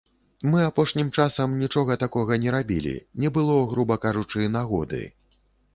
Мы апошнім часам нічога такога не рабілі, не было, груба кажучы, нагоды.